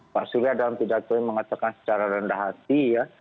pak surya dalam pidatonya mengatakan secara rendah hati ya